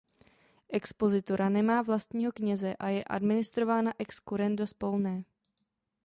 Expozitura nemá vlastního kněze a je administrována ex currendo z Polné.